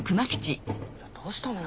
どうしたのよ？